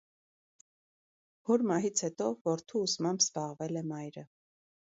Հոր մահից հետո, որդու ուսմամբ զբաղվել է մայրը։